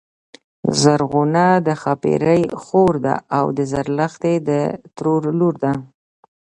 زرغونه د ښاپيرې خور ده او د زرلښتی د ترور لور ده